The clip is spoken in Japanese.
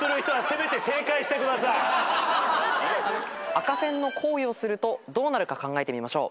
赤線の行為をするとどうなるか考えてみましょう。